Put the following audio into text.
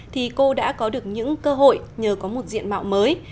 thì cô đã có được những cơ hội nhờ có một diện mạo mới